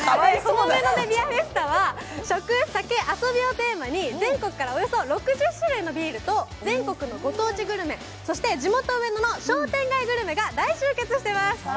この上野でビアフェスタは食と酒をテーマに全国からおよそ６０種類のビールト全国の御当地グルメ、そして地元・上野の商店街グルメが大集結しています。